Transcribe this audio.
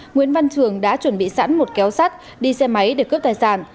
nguyễn văn trường đã chuẩn bị sẵn một kéo sắt đi xe máy để cướp tài sản